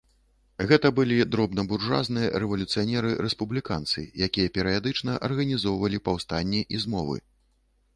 Гэта былі дробнабуржуазныя рэвалюцыянеры-рэспубліканцы, якія перыядычна арганізоўвалі паўстанні і змовы.